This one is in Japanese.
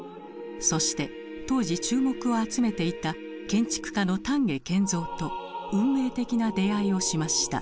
そして当時注目を集めていた建築家の丹下健三と運命的な出会いをしました。